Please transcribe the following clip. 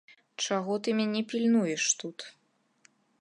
Чаго ты мяне пільнуеш тут?